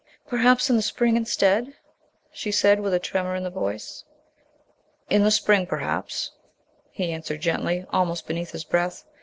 "Perhaps in the spring instead " she said, with a tremor in the voice. "In the spring perhaps," he answered gently, almost beneath his breath.